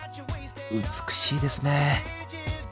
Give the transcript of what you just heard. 美しいですね。